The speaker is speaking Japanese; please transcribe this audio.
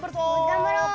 がんばろう！